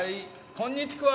こんにちくわ。